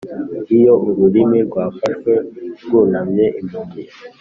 iyo ururimi rwafashwe rwunamye impumyi,